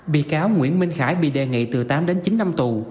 bị cáo nguyễn minh khải bị đề nghị từ tám đến chín năm tù